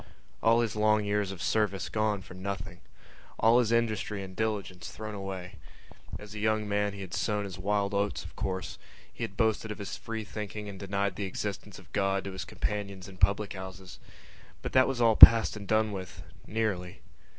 All his long years of service gone for nothing! All his industry and diligence thrown away! As a young man he had sown his wild oats, of course; he had boasted of his free thinking and denied the existence of God to his companions in public houses. But that was all passed and done with ... nearly.